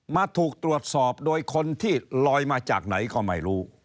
มาถูกตรวจสอบโดยคนที่ลอยมาจากไหนก็ไม่รู้